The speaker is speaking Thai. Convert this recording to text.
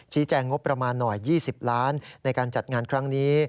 แจ้งงบประมาณหน่อย๒๐ล้านในการจัดงานครั้งนี้